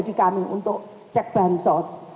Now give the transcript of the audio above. bagi kami untuk cek bansos